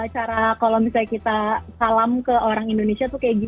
cara kalau misalnya kita salam ke orang indonesia tuh kayak gini